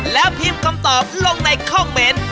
แล้วพิมพ์คำตอบลงในคอมเมนต์